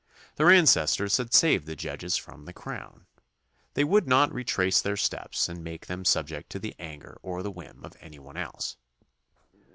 Their ancestors had saved the judges from the crown. They would not retrace their steps and make them subject to the anger or the whim of any one else.